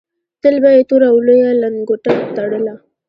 تل به یې توره او لویه لنګوټه تړله.